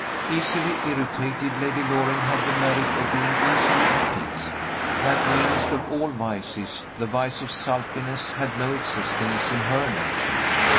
Easily irritated, Lady Loring had the merit of being easily appeased. That meanest of all vices, the vice of sulkiness, had no existence in her nature.